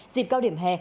dịp cao điểm hè